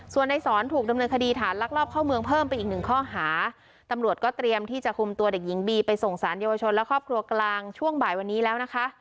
ส่วนในสอนถูกดำเนินคดีฐานลักลอบเข้าเมืองเพิ่มไปอีกหนึ่งข้อหาตำรวจก็เตรียมที่จะคุมตัวเด็กหญิงบีไปส่งสารเยาวชนและครอบครัวกลางช่วงบ่ายวันนี้แล้วนะคะ